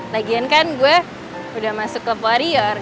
lagian kan gue udah masuk ke warrior